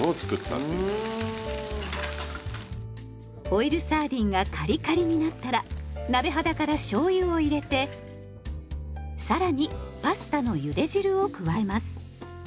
オイルサーディンがカリカリになったら鍋肌からしょうゆを入れて更にパスタのゆで汁を加えます。